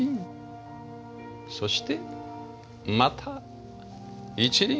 そしてまた一輪。